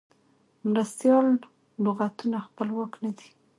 مرستیال لغتونه خپلواک نه دي.